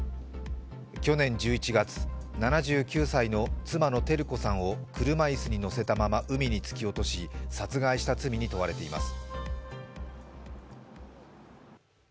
去年１１月、７９歳の妻の照子さんを車いすに乗せたまま海に突き落とし殺害した罪に問われています。